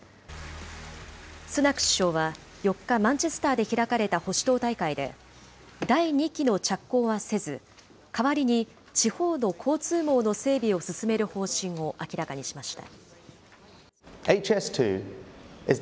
スナク首相は４日、マンチェスターで開かれた保守党大会で、第２期の着工はせず、代わりに地方の交通網の整備を進める方針を明らかにしました。